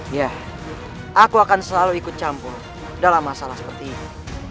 ya aku akan selalu ikut campur dalam masalah seperti ini